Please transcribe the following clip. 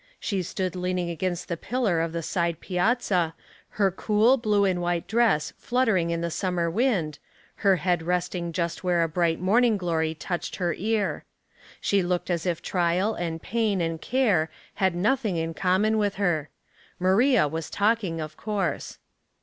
She stood leaning against the pillar of the side piazza, her cool blue and white dress fluttering in the summer wind, her head resting just where a bright morning glory touched her ear. She looked as if trial and pain and care liad nothing in common with her. Maria was talking, of course.